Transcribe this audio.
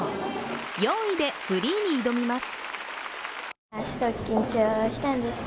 ４位でフリーに挑みます。